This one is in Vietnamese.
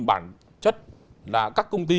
bản chất là các công ty